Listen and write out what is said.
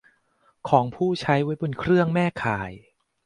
ของผู้ใช้ไว้บนเครื่องแม่ข่าย